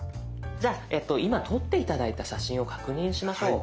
じゃあ今撮って頂いた写真を確認しましょう。